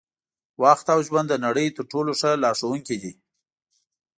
وخت او ژوند د نړۍ تر ټولو ښه لارښوونکي دي.